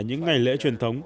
những ngày lễ truyền thống